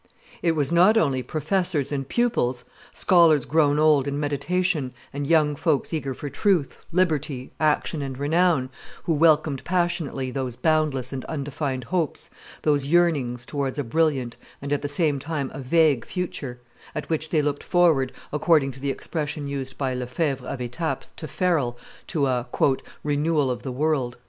It was not only professors and pupils, scholars grown old in meditation and young folks eager for truth, liberty, action, and renown, who welcomed passionately those boundless and undefined hopes, those yearnings towards a brilliant and at the same time a vague future, at which they looked forward, according to the expression used by Lefevre of Etaples to Farel, to a "renewal of the world."